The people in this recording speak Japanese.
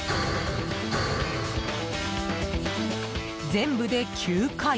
全部で９回。